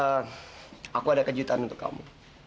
aku ada kejutan untuk kamu